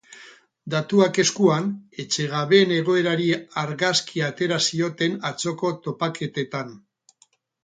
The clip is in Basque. Datuak eskuan, etxegabeen egoerari argazkia atera zioten atzoko topaketetan.